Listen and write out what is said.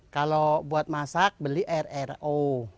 kalau buat masak beli air air o